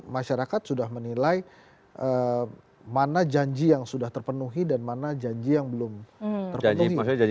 masyarakat sudah menilai mana janji yang sudah terpenuhi dan mana janji yang belum terpenuhi